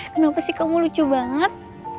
kenapa sih kamu lucu banget